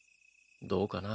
どうかな。